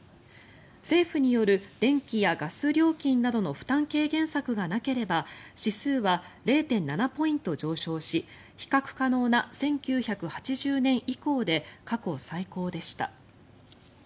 政府による電気やガス料金などの負担軽減策がなければ指数は０．７ポイント上昇し比較可能な１９８０年以降で過去最高でした。